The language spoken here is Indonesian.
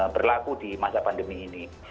berlaku di masa pandemi ini